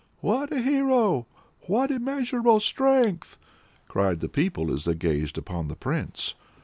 "What a hero! What immeasurable strength!" cried the people as they gazed upon the Prince.